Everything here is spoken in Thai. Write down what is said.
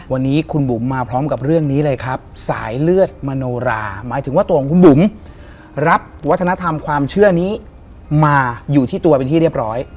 วันนี้คุณบุ๋มมาพร้อมกับเรื่องนี้เลยครับสายเลือดมโนราหมายถึงว่าตัวของคุณบุ๋มรับวัฒนธรรมความเชื่อนี้มาอยู่ที่ตัวเป็นที่เรียบร้อย